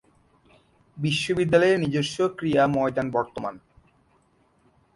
বিদ্যালয়ের নিজস্ব ক্রীড়া ময়দান বর্তমান।